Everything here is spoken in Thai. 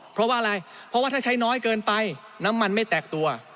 เพราะว่าอะไรเพราะว่าถ้าใช้น้อยเกินไปน้ำมันไม่แตกตัว